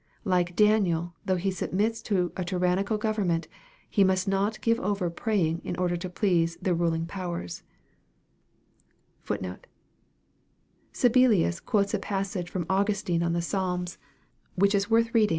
Like Daniel, though he submits to a tyrannical government, he must not give over pray ing in order to please the ruling powers, Sibelius quotes a passage from Augustine on the Psalms, wliick MARK, CHAP.